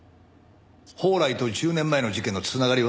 宝来と１０年前の事件の繋がりは？